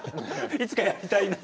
いつかやりたいと？